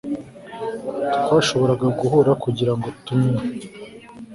Twashoboraga guhura kugirango tunywe